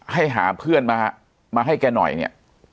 ให้หาเพื่อนมามาให้แกหน่อยเนี่ย